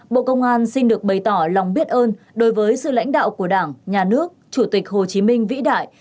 bộ công an xin được bày tỏ lòng biết ơn đối với sự lãnh đạo của đảng nhà nước chủ tịch hồ chí minh vĩ đại